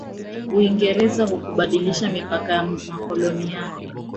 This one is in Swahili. uingereza haikubadilisha mipaka ya makoloni yake